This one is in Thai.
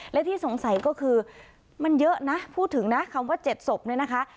และที่สงสัยก็คือมันเยอะนะพูดถึงนะคำว่า๗ศพเนี่ยนะคะ